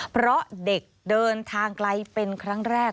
เพราะเด็กเดินทางไกลเป็นครั้งแรก